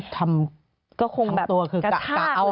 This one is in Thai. ทำตัวกระทาก